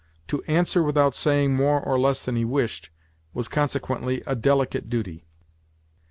To answer without saying more or less than he wished, was consequently a delicate duty.